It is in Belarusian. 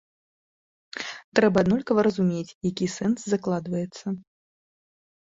Трэба аднолькава разумець, які сэнс закладваецца.